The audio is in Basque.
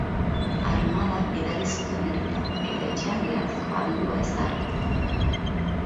Armada bidali zuten herrira, eta etxean geratzeko agindua ezarri.